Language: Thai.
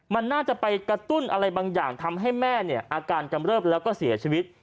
มันน่าจะไปกระตุ้นอะไรบางอย่างทำให้แม่เนี่ยอาการกำเริบแล้วก็เสียชีวิต